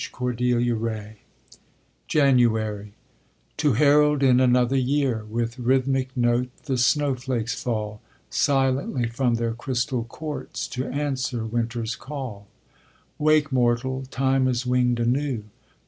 CORDELIA RAY JANUARY To herald in another year, With rhythmic note the snowflakes fall Silently from their crystal courts, To answer Winter's call. Wake, mortal! Time is winged anew!